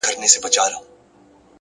هره لاسته راوړنه د باور مېوه ده!.